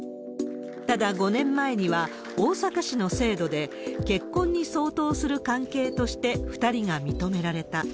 ただ、５年前には大阪市の制度で、結婚に相当する関係として２人が認められた。